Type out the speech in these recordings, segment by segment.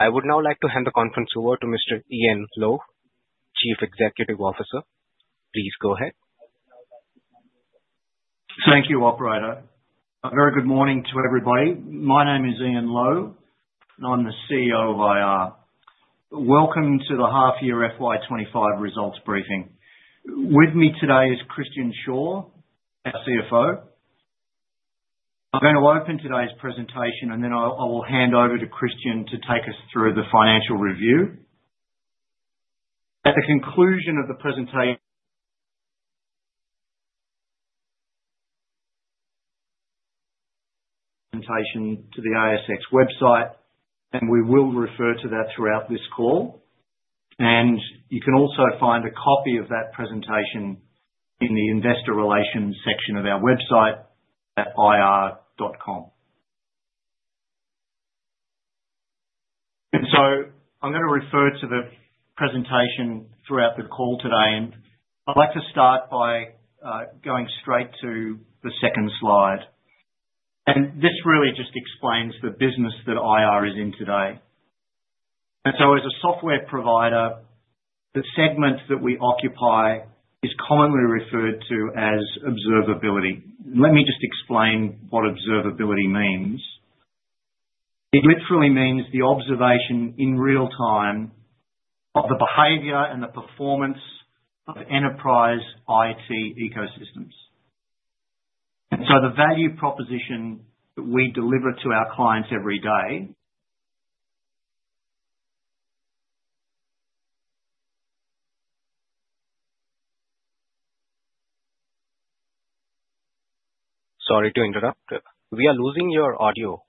I would now like to hand the conference over to Mr. Ian Lowe, Chief Executive Officer. Please go ahead. Thank you, Operator. Very good morning to everybody. My name is Ian Lowe, and I'm the CEO of IR. Welcome to the half-year FY 2025 results briefing. With me today is Christian Shaw, our CFO. I'm going to open today's presentation, and then I will hand over to Christian to take us through the financial review. At the conclusion of the presentation, the slides will be available on the ASX website, and we will refer to that throughout this call. You can also find a copy of that presentation in the Investor Relations section of our website at ir.com. I am going to refer to the presentation throughout the call today, and I'd like to start by going straight to the second slide. This really just explains the business that IR is in today. As a software provider, the segment that we occupy is commonly referred to as observability. Let me just explain what observability means. It literally means the observation in real time of the behavior and the performance of enterprise IT ecosystems. The value proposition that we deliver to our clients every day. Sorry to interrupt. We are losing your audio.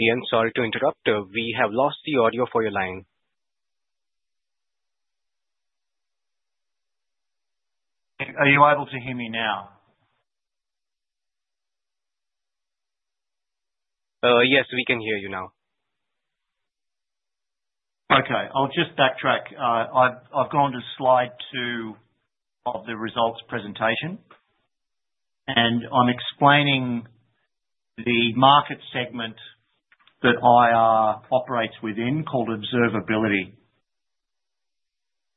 Ian, sorry to interrupt. We have lost the audio for your line. Are you able to hear me now? Yes, we can hear you now. Okay. I'll just backtrack. I've gone to slide two of the results presentation, and I'm explaining the market segment that IR operates within called observability.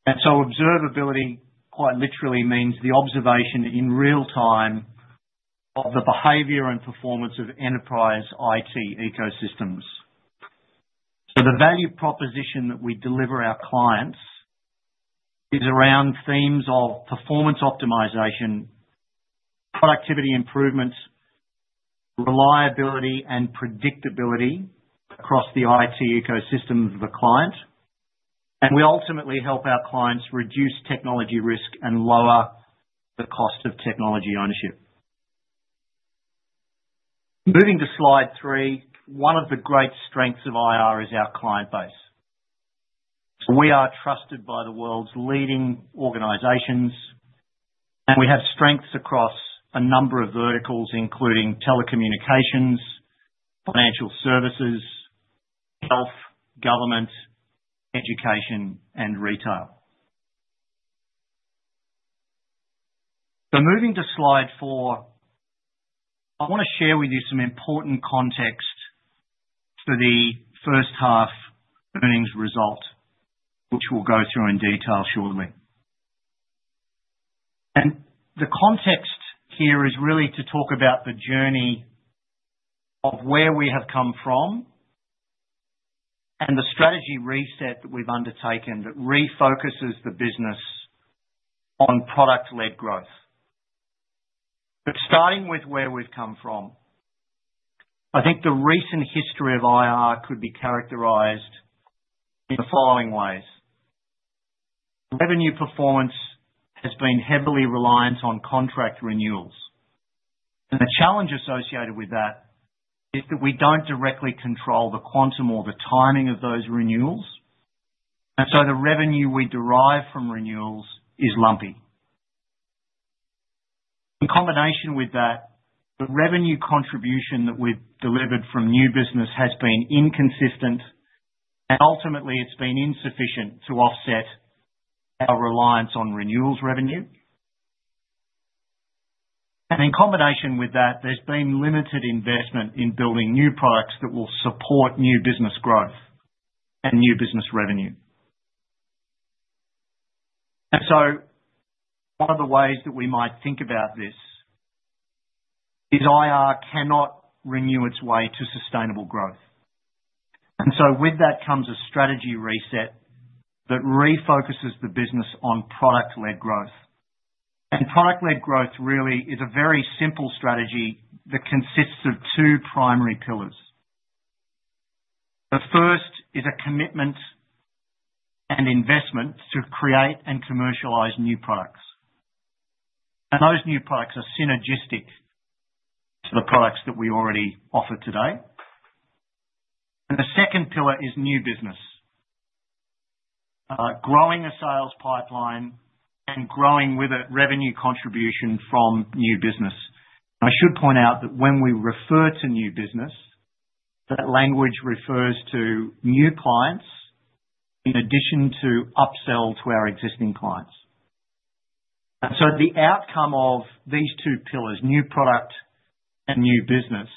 Observability quite literally means the observation in real time of the behavior and performance of enterprise IT ecosystems. The value proposition that we deliver our clients is around themes of performance optimization, productivity improvements, reliability, and predictability across the IT ecosystem of the client. We ultimately help our clients reduce technology risk and lower the cost of technology ownership. Moving to slide three, one of the great strengths of IR is our client base. We are trusted by the world's leading organizations, and we have strengths across a number of verticals including telecommunications, financial services, health, government, education, and retail. Moving to slide four, I want to share with you some important context for the first half earnings result, which we'll go through in detail shortly. The context here is really to talk about the journey of where we have come from and the strategy reset that we've undertaken that refocuses the business on product-led growth. Starting with where we've come from, I think the recent history of IR could be characterized in the following ways. Revenue performance has been heavily reliant on contract renewals. The challenge associated with that is that we don't directly control the quantum or the timing of those renewals. The revenue we derive from renewals is lumpy. In combination with that, the revenue contribution that we've delivered from new business has been inconsistent, and ultimately it's been insufficient to offset our reliance on renewals revenue. In combination with that, there's been limited investment in building new products that will support new business growth and new business revenue. One of the ways that we might think about this is IR cannot renew its way to sustainable growth. With that comes a strategy reset that refocuses the business on product-led growth. Product-led growth really is a very simple strategy that consists of two primary pillars. The first is a commitment and investment to create and commercialize new products. Those new products are synergistic to the products that we already offer today. The second pillar is new business, growing a sales pipeline and growing with it revenue contribution from new business. I should point out that when we refer to new business, that language refers to new clients in addition to upsell to our existing clients. The outcome of these two pillars, new product and new business,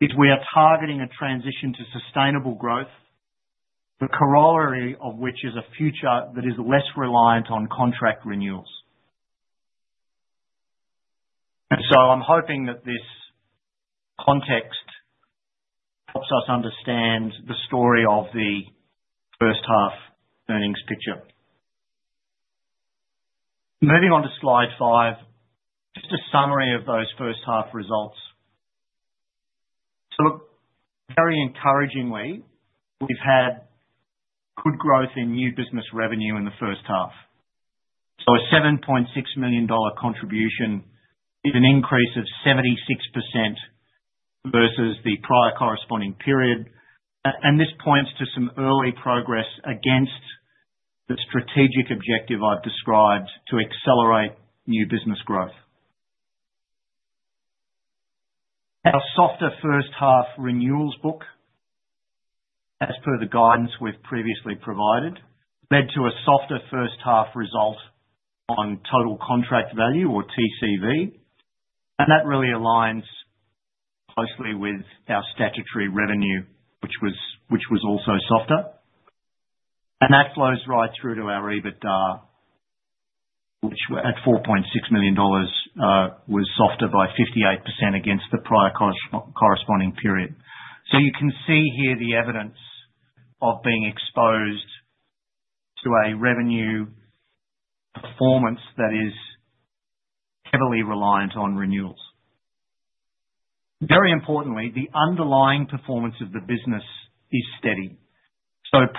is we are targeting a transition to sustainable growth, the corollary of which is a future that is less reliant on contract renewals. I am hoping that this context helps us understand the story of the first half earnings picture. Moving on to slide five, just a summary of those first half results. Very encouragingly, we have had good growth in new business revenue in the first half. A $7.6 million contribution is an increase of 76% versus the prior corresponding period. This points to some early progress against the strategic objective I have described to accelerate new business growth. Our softer first half renewals book, as per the guidance we have previously provided, led to a softer first half result on total contract value or TCV. That really aligns closely with our statutory revenue, which was also softer. That flows right through to our EBITDA, which at $4.6 million was softer by 58% against the prior corresponding period. You can see here the evidence of being exposed to a revenue performance that is heavily reliant on renewals. Very importantly, the underlying performance of the business is steady.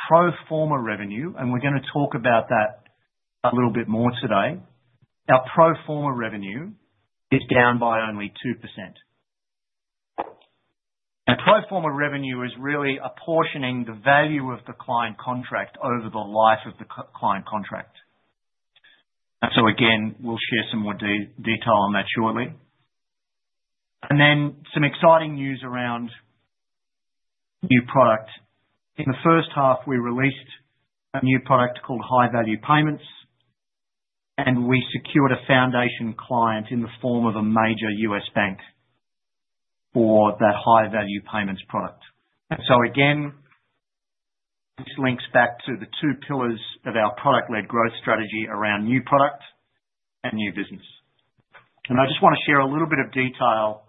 Pro forma revenue, and we are going to talk about that a little bit more today, our pro forma revenue is down by only 2%. Pro forma revenue is really apportioning the value of the client contract over the life of the client contract. Again, we will share some more detail on that shortly. There is some exciting news around new product. In the first half, we released a new product called High Value Payments, and we secured a foundation client in the form of a major US bank for that High Value Payments product. This links back to the two pillars of our product-led growth strategy around new product and new business. I just want to share a little bit of detail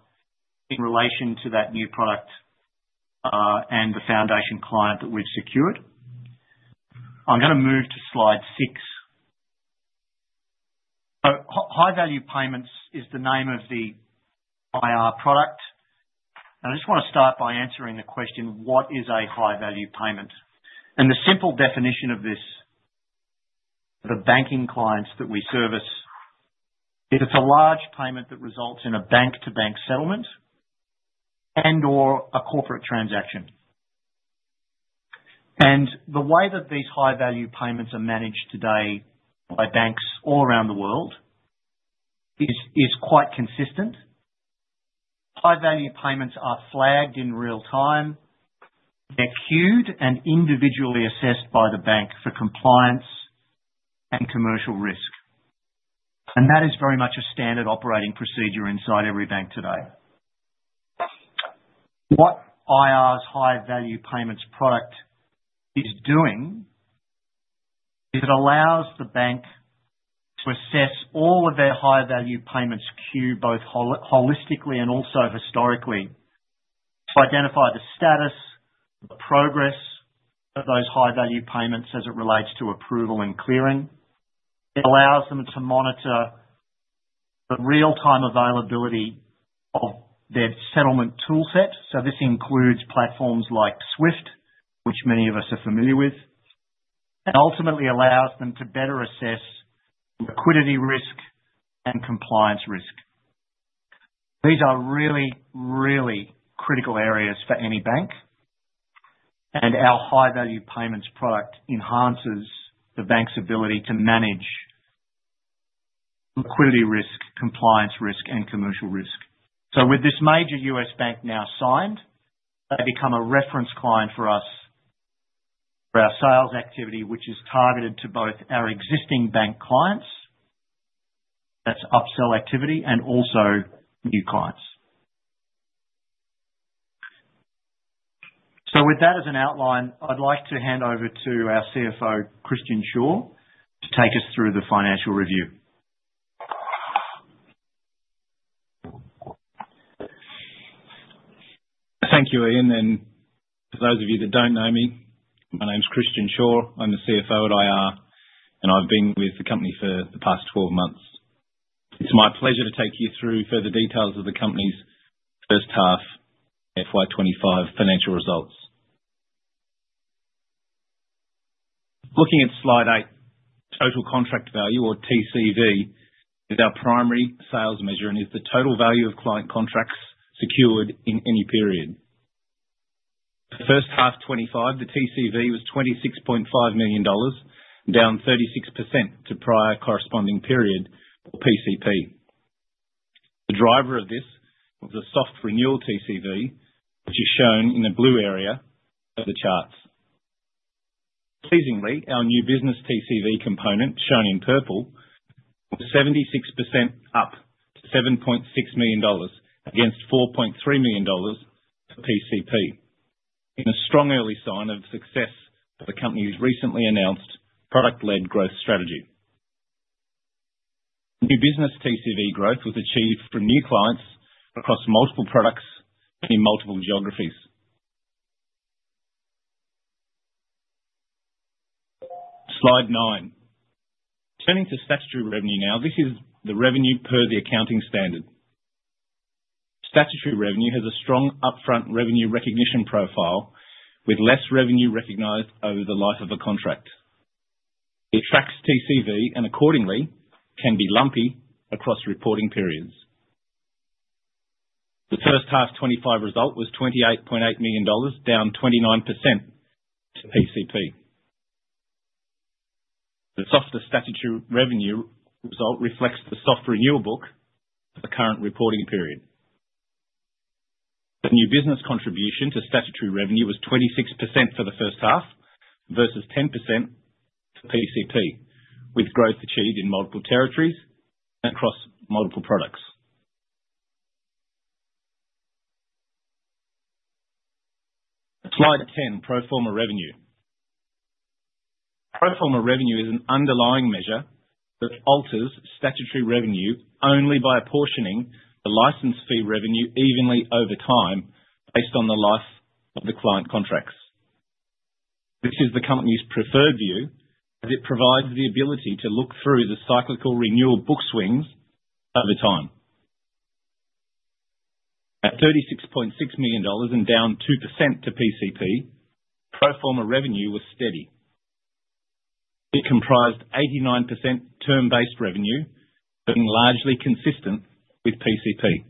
in relation to that new product and the foundation client that we've secured. I'm going to move to slide six. High Value Payments is the name of the IR product. I just want to start by answering the question, what is a High Value Payment? The simple definition of this for the banking clients that we service, it's a large payment that results in a bank-to-bank settlement and/or a corporate transaction. The way that these High Value Payments are managed today by banks all around the world is quite consistent. High Value Payments are flagged in real time. They're queued and individually assessed by the bank for compliance and commercial risk. That is very much a standard operating procedure inside every bank today. What IR's High Value Payments product is doing is it allows the bank to assess all of their High Value Payments queue both holistically and also historically to identify the status, the progress of those High Value Payments as it relates to approval and clearing. It allows them to monitor the real-time availability of their settlement toolset. This includes platforms like SWIFT, which many of us are familiar with, and ultimately allows them to better assess liquidity risk and compliance risk. These are really, really critical areas for any bank. Our High Value Payments product enhances the bank's ability to manage liquidity risk, compliance risk, and commercial risk. With this major US bank now signed, they become a reference client for us for our sales activity, which is targeted to both our existing bank clients, that's upsell activity, and also new clients. With that as an outline, I'd like to hand over to our CFO, Christian Shaw, to take us through the financial review. Thank you, Ian. For those of you that do not know me, my name's Christian Shaw. I'm the CFO at IR, and I've been with the company for the past 12 months. It's my pleasure to take you through further details of the company's first half FY 2025 financial results. Looking at slide eight, total contract value or TCV is our primary sales measure and is the total value of client contracts secured in any period. In the first half 2025, the TCV was $26.5 million, down 36% to prior corresponding period or PCP. The driver of this was a soft renewal TCV, which is shown in the blue area of the charts. Seasonally, our new business TCV component, shown in purple, was 76% up to $7.6 million against $4.3 million for PCP, in a strong early sign of success for the company's recently announced product-led growth strategy. New business TCV growth was achieved from new clients across multiple products in multiple geographies. Slide nine. Turning to statutory revenue now, this is the revenue per the accounting standard. Statutory revenue has a strong upfront revenue recognition profile with less revenue recognized over the life of a contract. It tracks TCV and accordingly can be lumpy across reporting periods. The first half 2025 result was $28.8 million, down 29% to PCP. The softer statutory revenue result reflects the soft renewal book for the current reporting period. The new business contribution to statutory revenue was 26% for the first half versus 10% to PCP, with growth achieved in multiple territories and across multiple products. Slide 10, pro forma revenue. Pro forma revenue is an underlying measure that alters statutory revenue only by apportioning the license fee revenue evenly over time based on the life of the client contracts. This is the company's preferred view as it provides the ability to look through the cyclical renewal book swings over time. At $36.6 million and down 2% to PCP, pro forma revenue was steady. It comprised 89% term-based revenue, being largely consistent with PCP.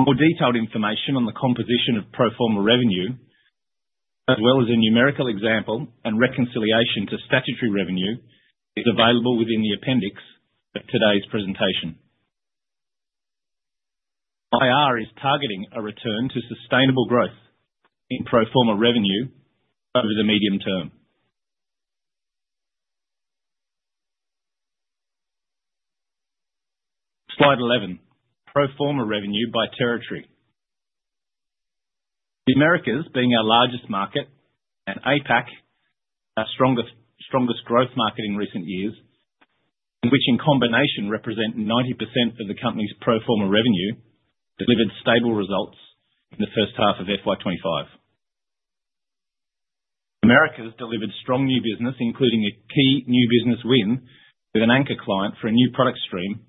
More detailed information on the composition of pro forma revenue, as well as a numerical example and reconciliation to statutory revenue, is available within the appendix of today's presentation. IR is targeting a return to sustainable growth in pro forma revenue over the medium term. Slide 11, pro forma revenue by territory. The Americas, being our largest market and APAC, our strongest growth market in recent years, which in combination represent 90% of the company's pro forma revenue, delivered stable results in the first half of FY 2025. Americas delivered strong new business, including a key new business win with an anchor client for a new product stream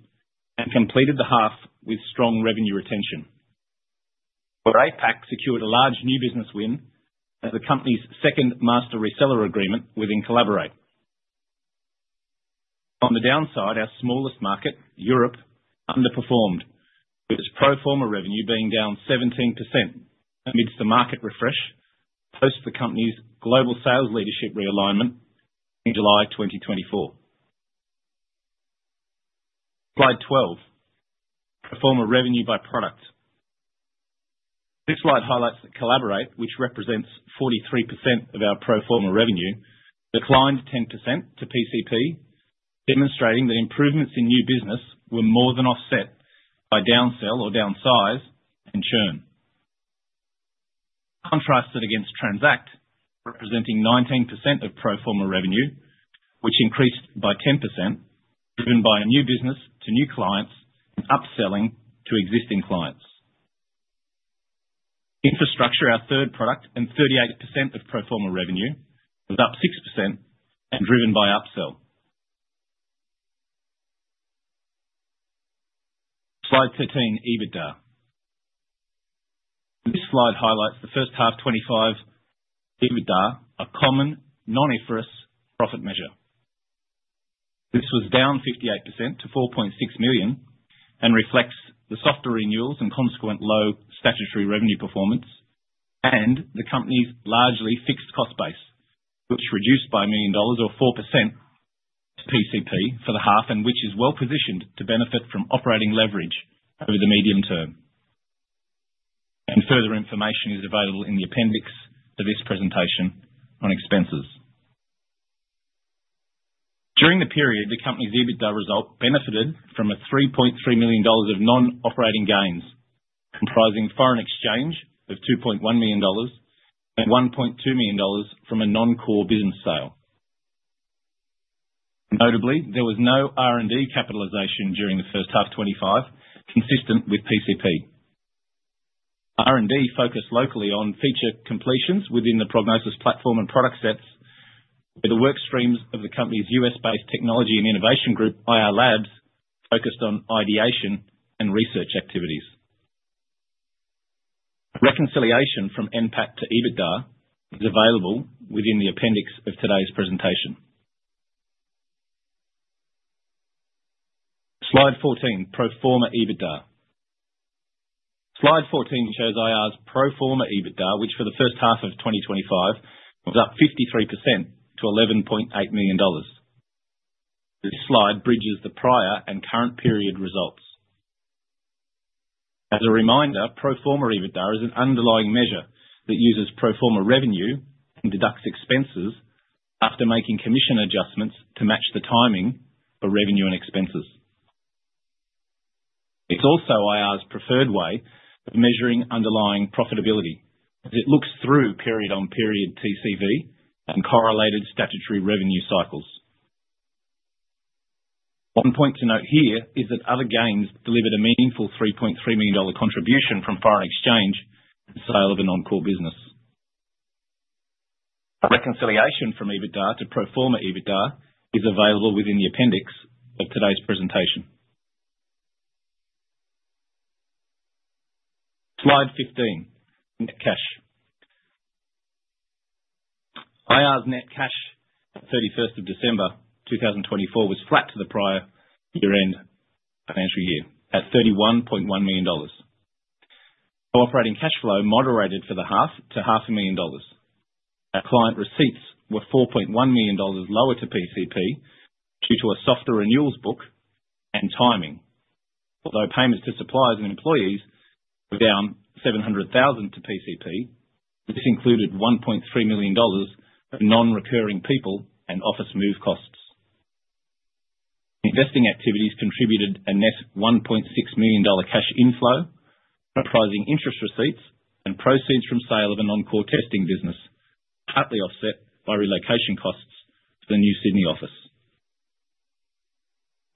and completed the half with strong revenue retention. Where APAC secured a large new business win as the company's second master reseller agreement within Collaborate. On the downside, our smallest market, Europe, underperformed, with its pro forma revenue being down 17% amidst the market refresh post the company's global sales leadership realignment in July 2024. Slide 12, pro forma revenue by product. This slide highlights that Collaborate, which represents 43% of our pro forma revenue, declined 10% to PCP, demonstrating that improvements in new business were more than offset by downsell or downsize and churn. Contrasted against Transact, representing 19% of pro forma revenue, which increased by 10%, driven by new business to new clients and upselling to existing clients. Infrastructure, our third product, and 38% of pro forma revenue, was up 6% and driven by upsell. Slide 13, EBITDA. This slide highlights the first half 2025 EBITDA, a common non-IFRS profit measure. This was down 58% to $4.6 million and reflects the softer renewals and consequent low statutory revenue performance and the company's largely fixed cost base, which reduced by $1 million or 4% to PCP for the half, and which is well positioned to benefit from operating leverage over the medium term. Further information is available in the appendix to this presentation on expenses. During the period, the company's EBITDA result benefited from $3.3 million of non-operating gains, comprising foreign exchange of $2.1 million and $1.2 million from a non-core business sale. Notably, there was no R&D capitalization during the first half 2025 consistent with PCP. R&D focused locally on feature completions within the Prognosis platform and product sets, where the work streams of the company's US-based technology and innovation group, IR Labs, focused on ideation and research activities. Reconciliation from NPAC to EBITDA is available within the appendix of today's presentation. Slide 14, pro forma EBITDA. Slide 14 shows IR's pro forma EBITDA, which for the first half of 2025 was up 53% to $11.8 million. This slide bridges the prior and current period results. As a reminder, pro forma EBITDA is an underlying measure that uses pro forma revenue and deducts expenses after making commission adjustments to match the timing for revenue and expenses. It's also IR's preferred way of measuring underlying profitability, as it looks through period-on-period TCV and correlated statutory revenue cycles. One point to note here is that other gains delivered a meaningful $3.3 million contribution from foreign exchange and sale of a non-core business. Reconciliation from EBITDA to pro forma EBITDA is available within the appendix of today's presentation. Slide 15, net cash. IR's net cash at 31 December 2024 was flat to the prior year-end financial year at $31.1 million. Operating cash flow moderated for the half to $500,000. Our client receipts were $4.1 million lower to PCP due to a softer renewals book and timing. Although payments to suppliers and employees were down $700,000 to PCP, this included $1.3 million of non-recurring people and office move costs. Investing activities contributed a net $1.6 million cash inflow, comprising interest receipts and proceeds from sale of a non-core testing business, partly offset by relocation costs to the new Sydney office.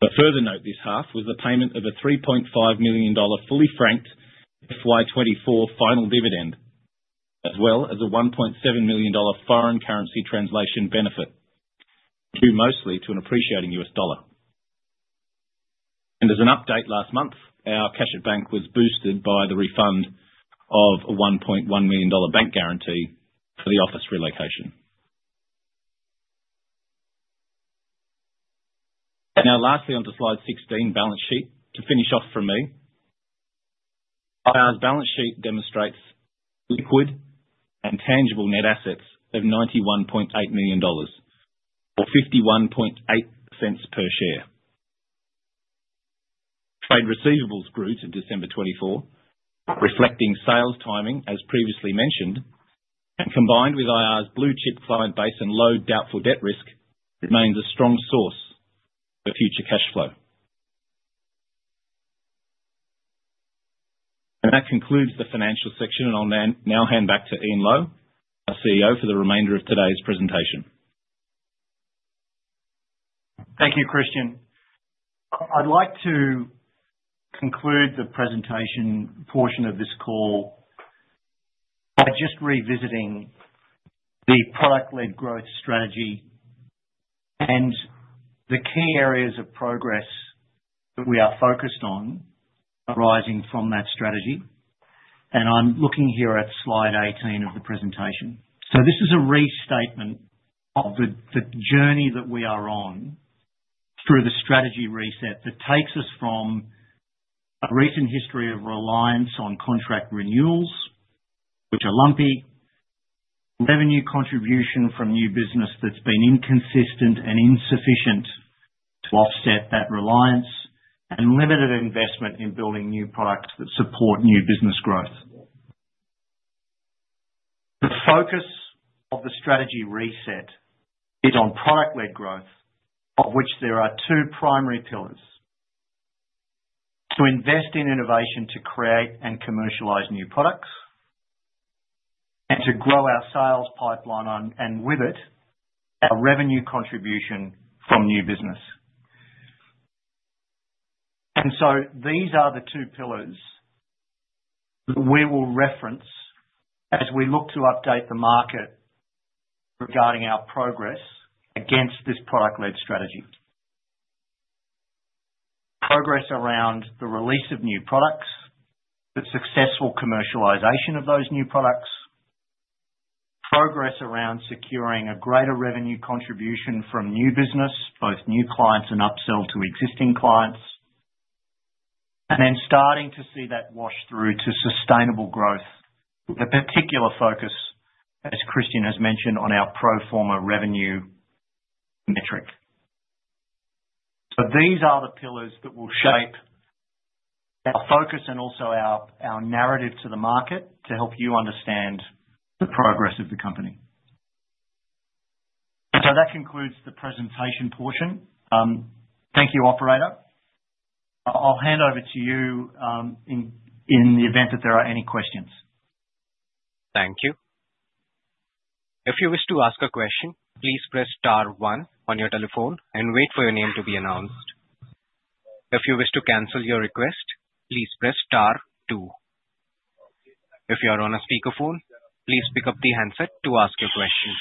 A further note this half was the payment of a $3.5 million fully franked fiscal year 2024 final dividend, as well as a $1.7 million foreign currency translation benefit, due mostly to an appreciating US dollar. As an update last month, our cash at bank was boosted by the refund of a $1.1 million bank guarantee for the office relocation. Lastly, on to slide 16, balance sheet, to finish off from me. IR's balance sheet demonstrates liquid and tangible net assets of $91.8 million or $0.518 per share. Trade receivables grew to December 2024, reflecting sales timing as previously mentioned, and combined with IR's blue chip client base and low doubtful debt risk, remains a strong source for future cash flow. That concludes the financial section, and I'll now hand back to Ian Lowe, our CEO, for the remainder of today's presentation. Thank you, Christian. I'd like to conclude the presentation portion of this call by just revisiting the product-led growth strategy and the key areas of progress that we are focused on arising from that strategy. I'm looking here at slide 18 of the presentation. This is a restatement of the journey that we are on through the strategy reset that takes us from a recent history of reliance on contract renewals, which are lumpy, revenue contribution from new business that's been inconsistent and insufficient to offset that reliance, and limited investment in building new products that support new business growth. The focus of the strategy reset is on product-led growth, of which there are two primary pillars: to invest in innovation to create and commercialize new products and to grow our sales pipeline and, with it, our revenue contribution from new business. These are the two pillars that we will reference as we look to update the market regarding our progress against this product-led strategy. Progress around the release of new products, the successful commercialization of those new products, progress around securing a greater revenue contribution from new business, both new clients and upsell to existing clients, and then starting to see that wash through to sustainable growth, with a particular focus, as Christian has mentioned, on our pro forma revenue metric. These are the pillars that will shape our focus and also our narrative to the market to help you understand the progress of the company. That concludes the presentation portion. Thank you, Operator. I'll hand over to you in the event that there are any questions. Thank you. If you wish to ask a question, please press star one on your telephone and wait for your name to be announced. If you wish to cancel your request, please press star two. If you are on a speakerphone, please pick up the handset to ask your question.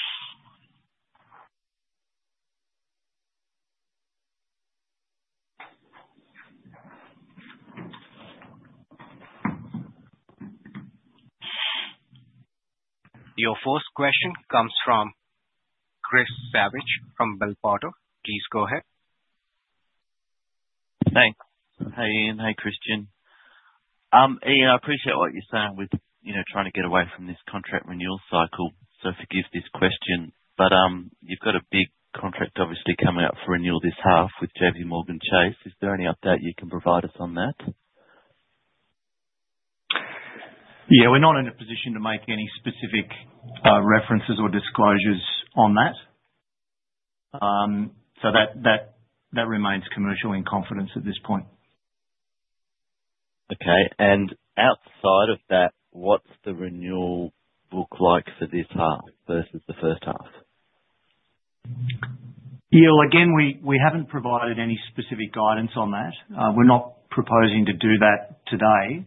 Your first question comes from Chris Savage from Bell Potter. Please go ahead. Thanks. Hey, Ian. Hi, Christian. I appreciate what you're saying with trying to get away from this contract renewal cycle, so forgive this question. You have a big contract, obviously, coming up for renewal this half with JPMorgan Chase. Is there any update you can provide us on that? Yeah, we're not in a position to make any specific references or disclosures on that. That remains commercial in confidence at this point. Okay. Outside of that, what's the renewal look like for this half versus the first half? Yeah, again, we haven't provided any specific guidance on that. We're not proposing to do that today.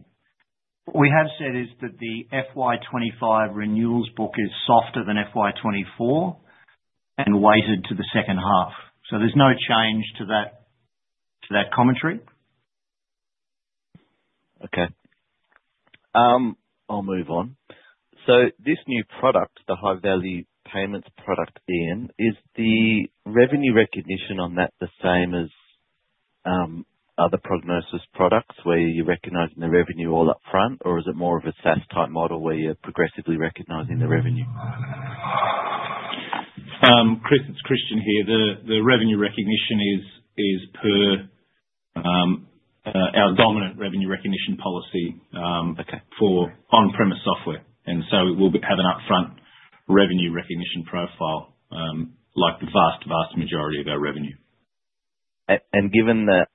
What we have said is that the FY 2025 renewals book is softer than FY 2024 and weighted to the second half. There is no change to that commentary. Okay. I'll move on. This new product, the High Value Payments product, Ian, is the revenue recognition on that the same as other Prognosis products where you're recognizing the revenue all upfront, or is it more of a SaaS-type model where you're progressively recognizing the revenue? Chris, it's Christian here. The revenue recognition is per our dominant revenue recognition policy for on-premise software. We'll have an upfront revenue recognition profile like the vast, vast majority of our revenue. Given that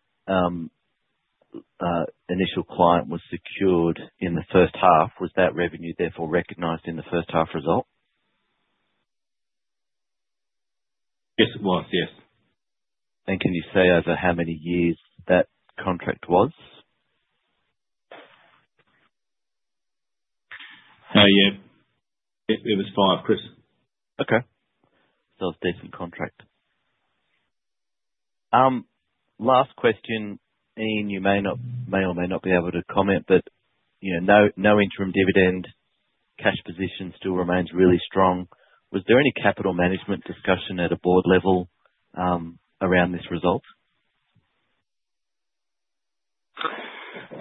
initial client was secured in the first half, was that revenue therefore recognized in the first half result? Yes, it was. Yes. Can you say over how many years that contract was? Yeah. It was five, Chris. Okay. So a decent contract. Last question, Ian, you may or may not be able to comment, but no interim dividend, cash position still remains really strong. Was there any capital management discussion at a board level around this result?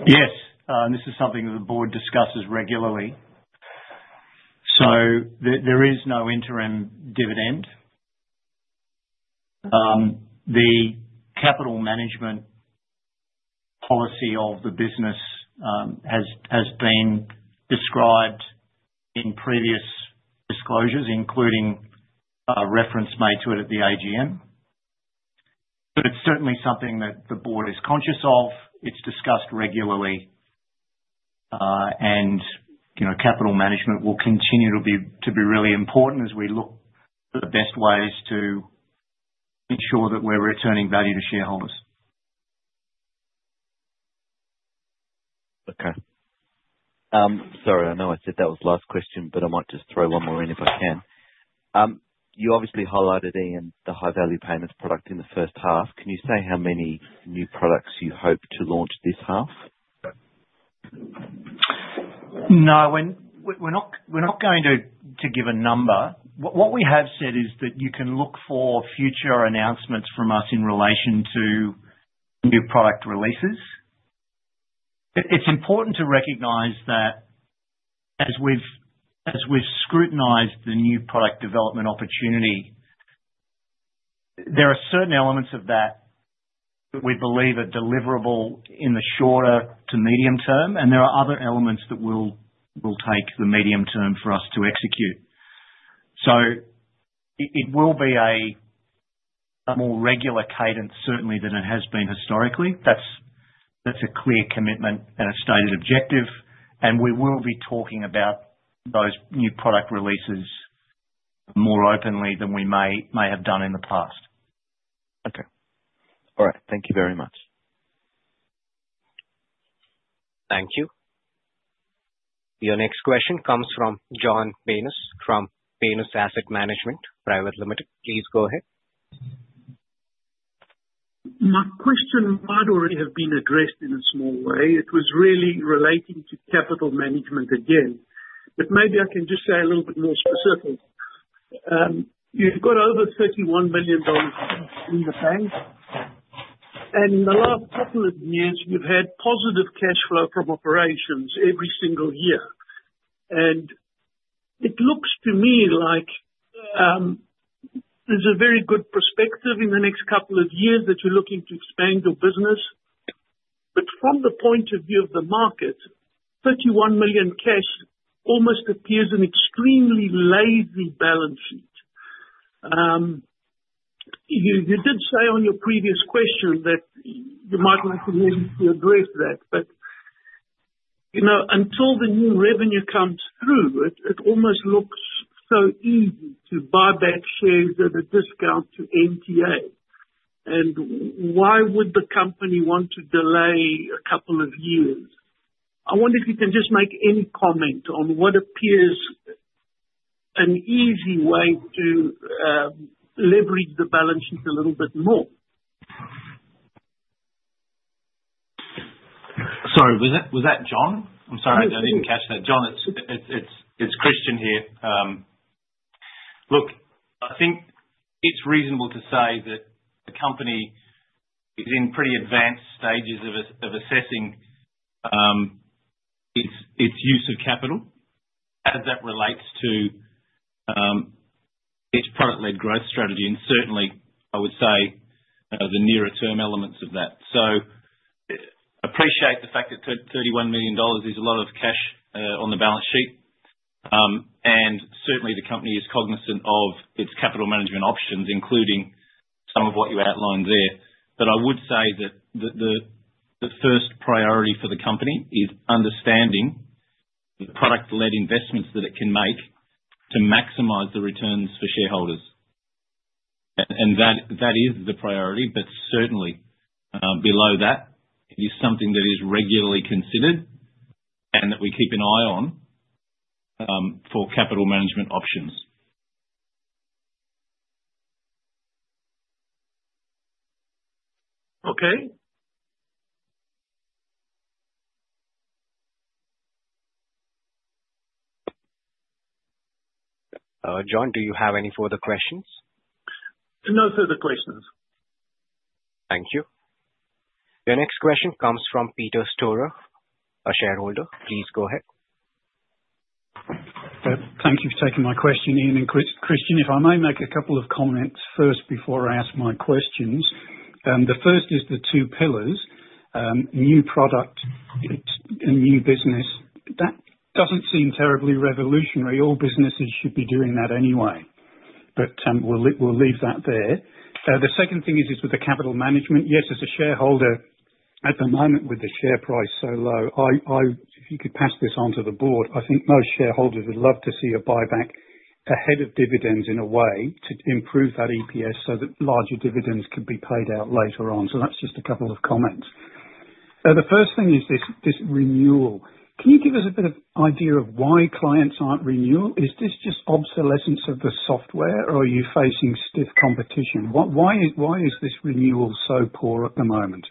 Yes. This is something that the board discusses regularly. There is no interim dividend. The capital management policy of the business has been described in previous disclosures, including reference made to it at the AGM. It is certainly something that the board is conscious of. It is discussed regularly. Capital management will continue to be really important as we look for the best ways to ensure that we are returning value to shareholders. Okay. Sorry, I know I said that was the last question, but I might just throw one more in if I can. You obviously highlighted, Ian, the High Value Payments product in the first half. Can you say how many new products you hope to launch this half? No, we're not going to give a number. What we have said is that you can look for future announcements from us in relation to new product releases. It's important to recognize that as we've scrutinized the new product development opportunity, there are certain elements of that that we believe are deliverable in the shorter to medium term, and there are other elements that will take the medium term for us to execute. It will be a more regular cadence, certainly, than it has been historically. That's a clear commitment and a stated objective. We will be talking about those new product releases more openly than we may have done in the past. Okay. All right. Thank you very much. Thank you. Your next question comes from John Banos from Banos Asset Management Private Limited. Please go ahead. My question might already have been addressed in a small way. It was really relating to capital management again. Maybe I can just say a little bit more specifically. You've got over $31 million in the bank. In the last couple of years, you've had positive cash flow from operations every single year. It looks to me like there's a very good perspective in the next couple of years that you're looking to expand your business. From the point of view of the market, $31 million cash almost appears an extremely lazy balance sheet. You did say on your previous question that you might like for me to address that. Until the new revenue comes through, it almost looks so easy to buy back shares at a discount to NTA. Why would the company want to delay a couple of years? I wonder if you can just make any comment on what appears an easy way to leverage the balance sheet a little bit more. Sorry, was that John? I'm sorry, I didn't catch that. John, it's Christian here. Look, I think it's reasonable to say that the company is in pretty advanced stages of assessing its use of capital, as that relates to its product-led growth strategy, and certainly, I would say, the nearer-term elements of that. I appreciate the fact that $31 million is a lot of cash on the balance sheet. Certainly, the company is cognizant of its capital management options, including some of what you outlined there. I would say that the first priority for the company is understanding the product-led investments that it can make to maximize the returns for shareholders. That is the priority. Certainly, below that, it is something that is regularly considered and that we keep an eye on for capital management options. Okay. John, do you have any further questions? No further questions. Thank you. Your next question comes from Peter Storow, a shareholder. Please go ahead. Thank you for taking my question, Ian and Christian. If I may make a couple of comments first before I ask my questions. The first is the two pillars: new product and new business. That does not seem terribly revolutionary. All businesses should be doing that anyway. We will leave that there. The second thing is with the capital management. Yes, as a shareholder, at the moment, with the share price so low, if you could pass this on to the board, I think most shareholders would love to see a buyback ahead of dividends in a way to improve that EPS so that larger dividends could be paid out later on. That is just a couple of comments. The first thing is this renewal. Can you give us a bit of idea of why clients are not renewal? Is this just obsolescence of the software, or are you facing stiff competition? Why is this renewal so poor at the moment?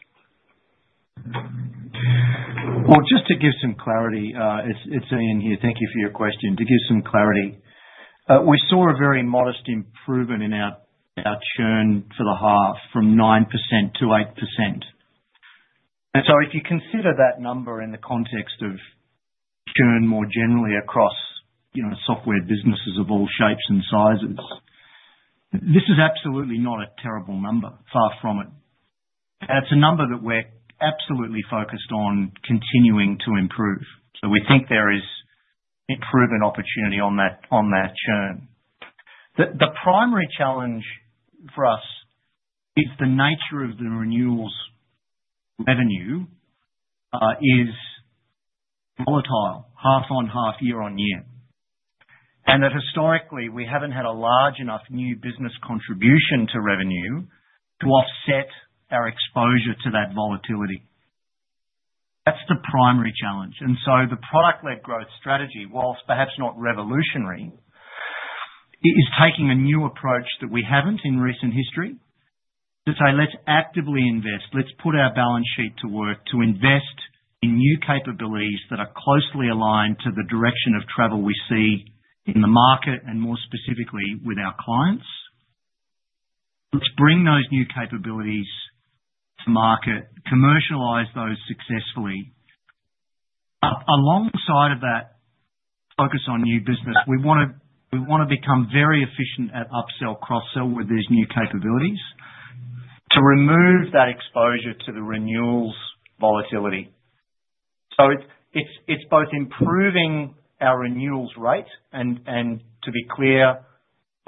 Just to give some clarity, it's Ian here. Thank you for your question. To give some clarity, we saw a very modest improvement in our churn for the half from 9% to 8%. If you consider that number in the context of churn more generally across software businesses of all shapes and sizes, this is absolutely not a terrible number, far from it. It's a number that we're absolutely focused on continuing to improve. We think there is improvement opportunity on that churn. The primary challenge for us is the nature of the renewal's revenue is volatile, half on half, year on year. Historically, we haven't had a large enough new business contribution to revenue to offset our exposure to that volatility. That's the primary challenge. The product-led growth strategy, whilst perhaps not revolutionary, is taking a new approach that we have not in recent history to say, "Let's actively invest. Let's put our balance sheet to work to invest in new capabilities that are closely aligned to the direction of travel we see in the market and more specifically with our clients. Let's bring those new capabilities to market, commercialize those successfully." Alongside of that focus on new business, we want to become very efficient at upsell, cross-sell where there are new capabilities to remove that exposure to the renewal's volatility. It is both improving our renewal's rate. To be clear,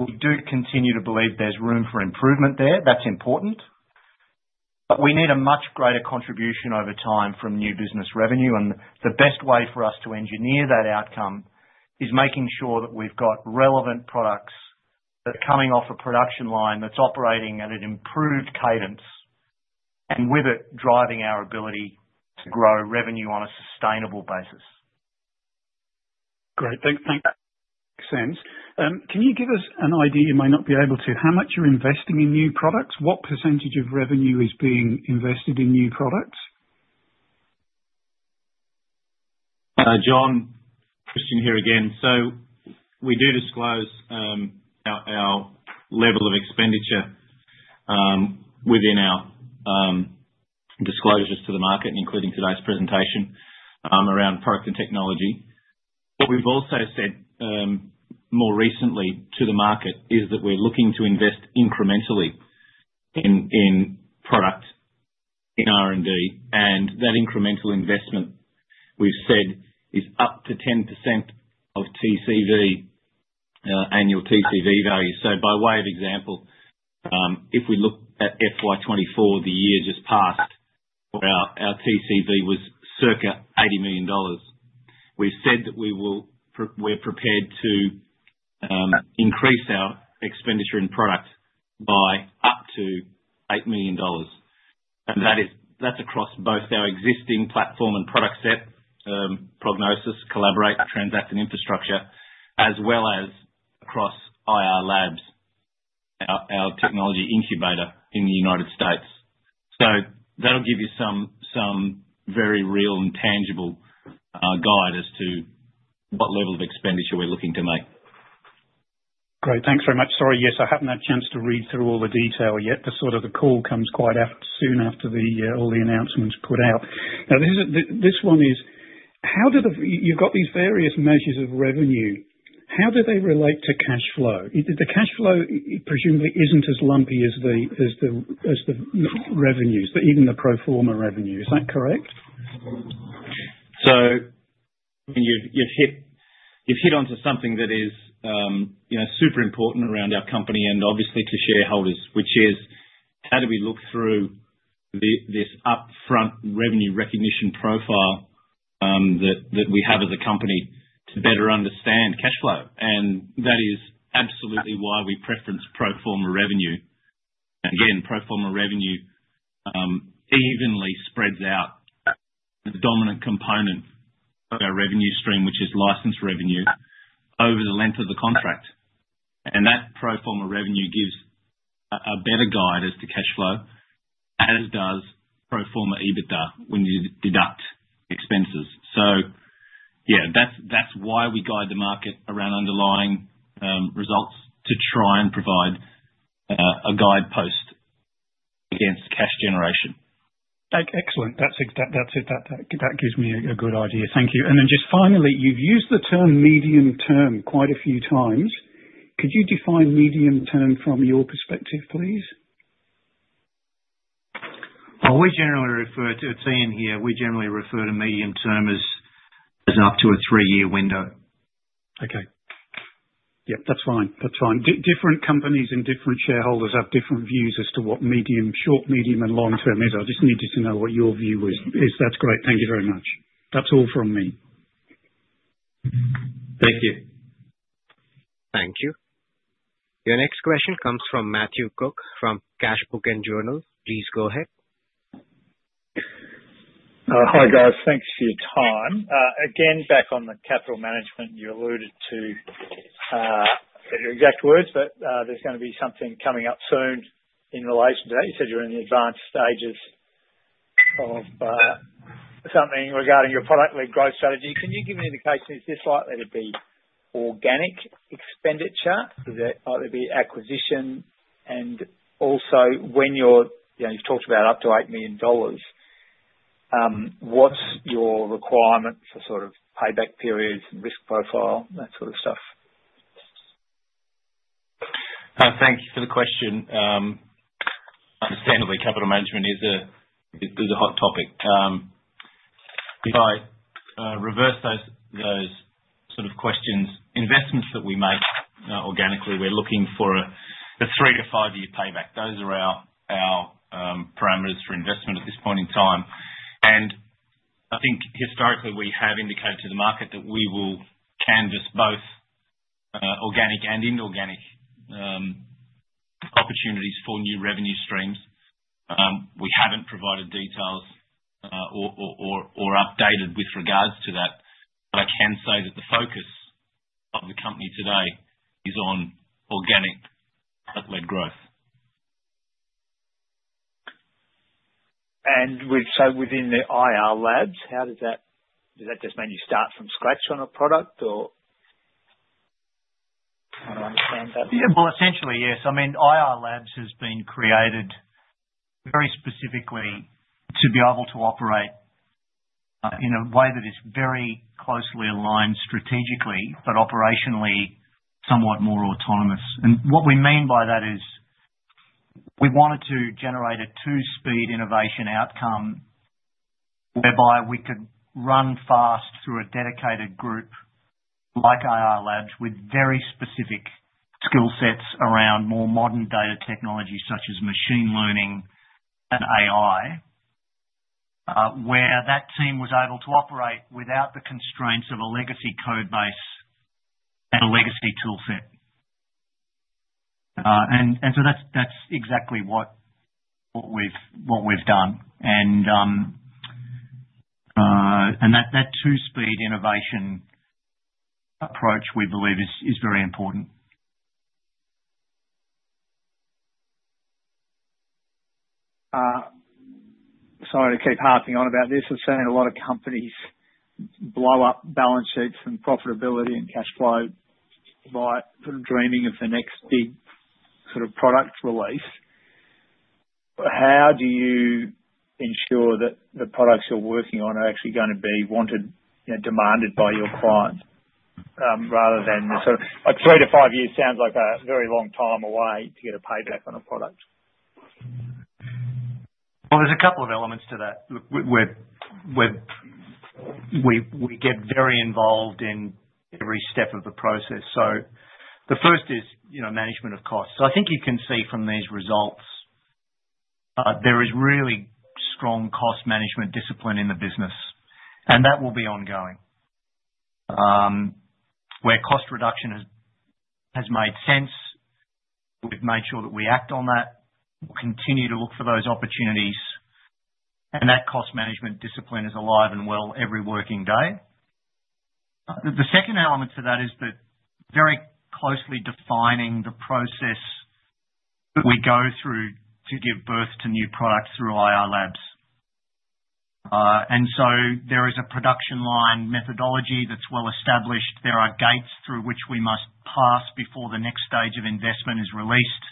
we do continue to believe there is room for improvement there. That is important. We need a much greater contribution over time from new business revenue. The best way for us to engineer that outcome is making sure that we've got relevant products that are coming off a production line that's operating at an improved cadence and with it driving our ability to grow revenue on a sustainable basis. Great. Thanks. Makes sense. Can you give us an idea—you might not be able to—how much you're investing in new products? What percentage of revenue is being invested in new products? John, Christian here again. We do disclose our level of expenditure within our disclosures to the market, including today's presentation around product and technology. What we've also said more recently to the market is that we're looking to invest incrementally in product in R&D. That incremental investment, we've said, is up to 10% of annual TCV value. By way of example, if we look at FY 2024, the year just passed where our TCV was circa $80 million, we've said that we're prepared to increase our expenditure in product by up to $8 million. That's across both our existing platform and product set: Prognosis, Collaborate, Transact, Infrastructure, as well as across IR Labs, our technology incubator in the United States. That will give you some very real and tangible guide as to what level of expenditure we're looking to make. Great. Thanks very much. Sorry, yes, I haven't had a chance to read through all the detail yet. The sort of the call comes quite soon after all the announcements put out. Now, this one is how do the—you've got these various measures of revenue. How do they relate to cash flow? The cash flow presumably isn't as lumpy as the revenues, even the pro forma revenue. Is that correct? You've hit onto something that is super important around our company and obviously to shareholders, which is how do we look through this upfront revenue recognition profile that we have as a company to better understand cash flow. That is absolutely why we preference pro forma revenue. Again, pro forma revenue evenly spreads out the dominant component of our revenue stream, which is license revenue over the length of the contract. That pro forma revenue gives a better guide as to cash flow, as does pro forma EBITDA when you deduct expenses. Yeah, that's why we guide the market around underlying results to try and provide a guidepost against cash generation. Excellent. That is it. That gives me a good idea. Thank you. Just finally, you have used the term medium term quite a few times. Could you define medium term from your perspective, please? We generally refer to—it's Ian here. We generally refer to medium term as up to a three-year window. Okay. Yep, that's fine. That's fine. Different companies and different shareholders have different views as to what medium, short, medium, and long term is. I just needed to know what your view is. That's great. Thank you very much. That's all from me. Thank you. Thank you. Your next question comes from Matthew Cook from CASHBOOK AND JOURNAL. Please go ahead. Hi, guys. Thanks for your time. Again, back on the capital management, you alluded to your exact words, but there's going to be something coming up soon in relation to that. You said you're in the advanced stages of something regarding your product-led growth strategy. Can you give me an indication? Is this likely to be organic expenditure? Might there be acquisition? Also, when you've talked about up to $8 million, what's your requirement for sort of payback periods and risk profile, that sort of stuff? Thank you for the question. Understandably, capital management is a hot topic. If I reverse those sort of questions, investments that we make organically, we're looking for a three- to five-year payback. Those are our parameters for investment at this point in time. I think historically, we have indicated to the market that we will canvas both organic and inorganic opportunities for new revenue streams. We haven't provided details or updated with regards to that. I can say that the focus of the company today is on organic product-led growth. Within the IR Labs, does that just mean you start from scratch on a product or trying to understand that? Yeah, essentially, yes. I mean, IR Labs has been created very specifically to be able to operate in a way that is very closely aligned strategically, but operationally somewhat more autonomous. What we mean by that is we wanted to generate a two-speed innovation outcome whereby we could run fast through a dedicated group like IR Labs with very specific skill sets around more modern data technology such as machine learning and AI, where that team was able to operate without the constraints of a legacy code base and a legacy toolset. That two-speed innovation approach, we believe, is very important. Sorry to keep harping on about this. I've seen a lot of companies blow up balance sheets and profitability and cash flow by sort of dreaming of the next big sort of product release. How do you ensure that the products you're working on are actually going to be wanted, demanded by your clients rather than sort of like three to five years sounds like a very long time away to get a payback on a product? There is a couple of elements to that. We get very involved in every step of the process. The first is management of costs. I think you can see from these results there is really strong cost management discipline in the business. That will be ongoing. Where cost reduction has made sense, we have made sure that we act on that. We will continue to look for those opportunities. That cost management discipline is alive and well every working day. The second element to that is very closely defining the process that we go through to give birth to new products through IR Labs. There is a production line methodology that is well established. There are gates through which we must pass before the next stage of investment is released.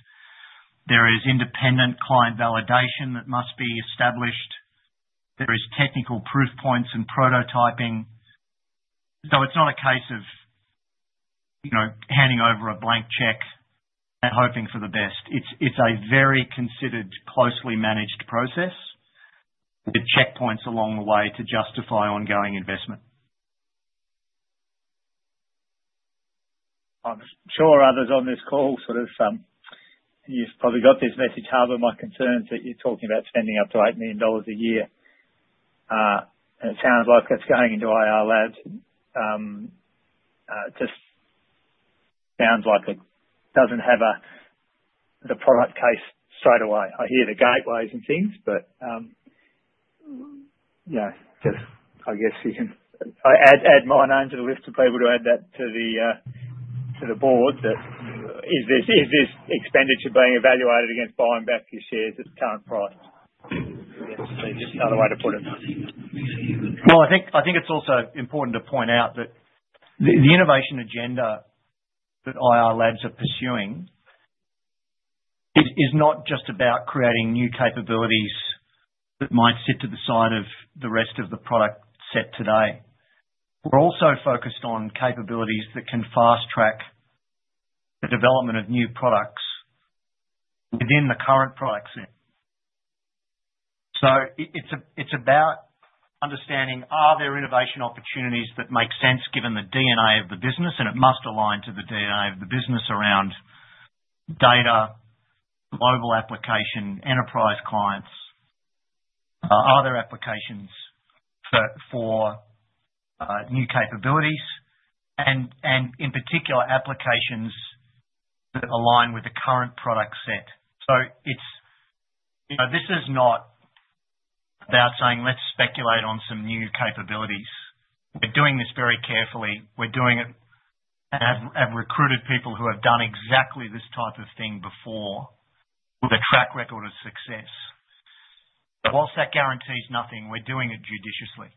There is independent client validation that must be established. There are technical proof points and prototyping. It is not a case of handing over a blank check and hoping for the best. It is a very considered, closely managed process with checkpoints along the way to justify ongoing investment. I'm sure others on this call sort of you've probably got this message, "However, my concern is that you're talking about spending up to $8 million a year." It sounds like that's going into IR Labs. It just sounds like it doesn't have the product case straight away. I hear the gateways and things, but yeah, just I guess you can add my name to the list of people to add that to the board that is this expenditure being evaluated against buying back your shares at the current price? Just another way to put it. I think it's also important to point out that the innovation agenda that IR Labs are pursuing is not just about creating new capabilities that might sit to the side of the rest of the product set today. We're also focused on capabilities that can fast-track the development of new products within the current product set. It's about understanding, are there innovation opportunities that make sense given the DNA of the business? It must align to the DNA of the business around data, global application, enterprise clients, other applications for new capabilities, and in particular, applications that align with the current product set. This is not about saying, "Let's speculate on some new capabilities." We're doing this very carefully. We're doing it and have recruited people who have done exactly this type of thing before with a track record of success. Whilst that guarantees nothing, we're doing it judiciously.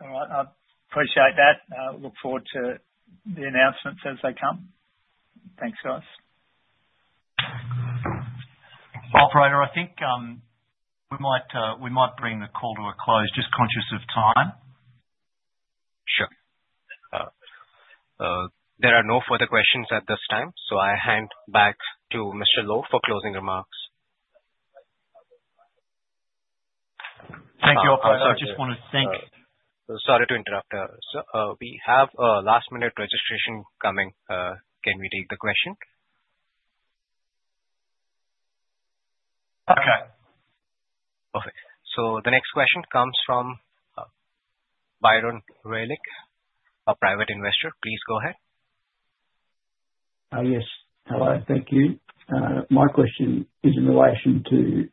All right. I appreciate that. Look forward to the announcements as they come. Thanks, guys. I think we might bring the call to a close, just conscious of time. Sure. There are no further questions at this time. I hand back to Mr. Lowe for closing remarks. Thank you. I just want to thank. Sorry to interrupt. We have a last-minute registration coming. Can we take the question? Okay. Perfect. The next question comes from Byron Rehlich, a private investor. Please go ahead. Yes. Hello. Thank you. My question is in relation to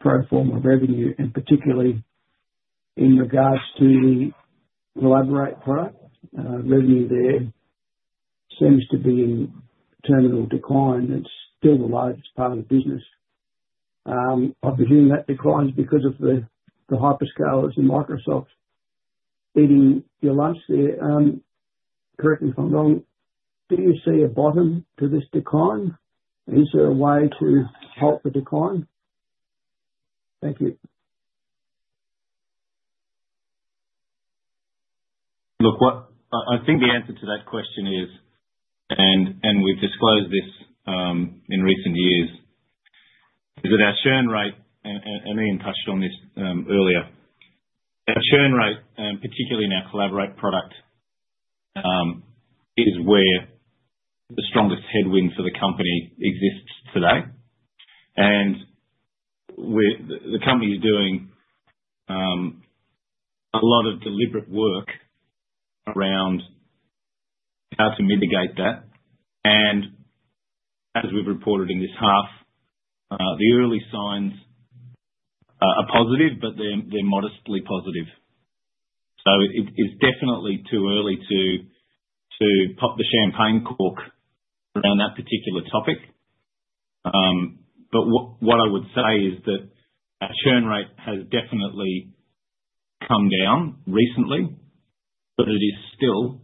pro forma revenue, and particularly in regards to the Collaborate product. Revenue there seems to be in terminal decline. It's still the largest part of the business. I'm presuming that decline is because of the hyperscalers and Microsoft eating your lunch there. Correct me if I'm wrong. Do you see a bottom to this decline? Is there a way to halt the decline? Thank you. Look, I think the answer to that question is, and we've disclosed this in recent years, is that our churn rate—Ian touched on this earlier—our churn rate, particularly in our Collaborate product, is where the strongest headwind for the company exists today. The company is doing a lot of deliberate work around how to mitigate that. As we've reported in this half, the early signs are positive, but they're modestly positive. It is definitely too early to pop the champagne cork around that particular topic. What I would say is that our churn rate has definitely come down recently, but it is still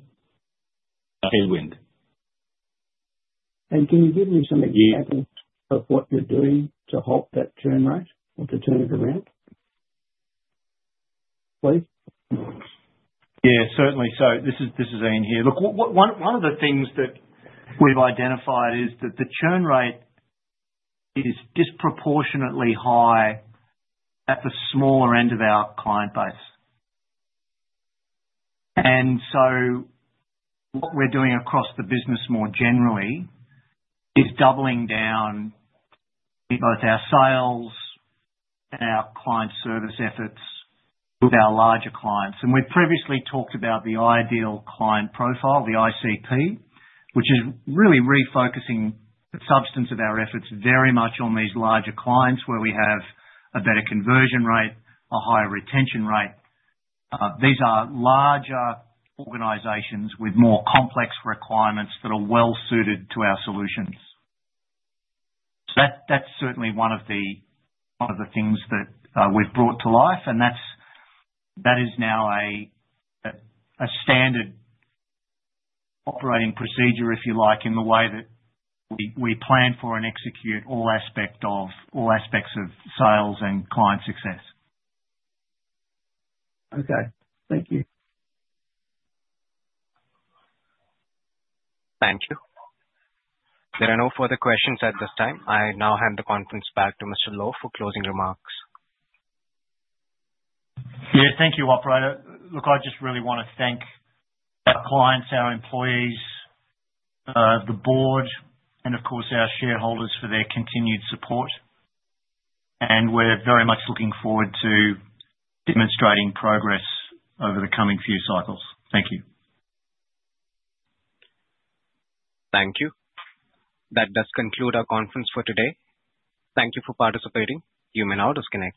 a headwind. Can you give me some examples of what you're doing to halt that churn rate or to turn it around, please? Yeah, certainly. This is Ian here. Look, one of the things that we've identified is that the churn rate is disproportionately high at the smaller end of our client base. What we're doing across the business more generally is doubling down both our sales and our client service efforts with our larger clients. We've previously talked about the ideal client profile, the ICP, which is really refocusing the substance of our efforts very much on these larger clients where we have a better conversion rate, a higher retention rate. These are larger organizations with more complex requirements that are well-suited to our solutions. That's certainly one of the things that we've brought to life. That is now a standard operating procedure, if you like, in the way that we plan for and execute all aspects of sales and client success. Okay. Thank you. Thank you. There are no further questions at this time. I now hand the conference back to Mr. Lowe for closing remarks. Yeah, thank you, Allan Brackin. Look, I just really want to thank our clients, our employees, the board, and of course, our shareholders for their continued support. We are very much looking forward to demonstrating progress over the coming few cycles. Thank you. Thank you. That does conclude our conference for today. Thank you for participating. You may now disconnect.